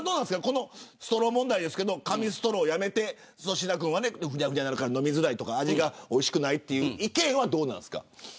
このストロー問題ですけど紙ストローをやめて、粗品君はふにゃふにゃになるから飲みづらいとか味がおいしくないという意見はどうですか。